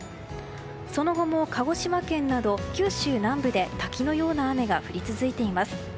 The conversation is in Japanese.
その後も鹿児島県など九州南部で滝のような雨が降り続いています。